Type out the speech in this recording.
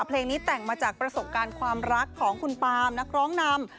เพลงนี้แต่งมาจากประสบการณ์ความรักของคุณปามนักร้องนำ